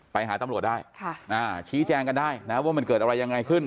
ไปหาตำรวจได้ชี้แจงกันได้นะว่ามันเกิดอะไรยังไงขึ้น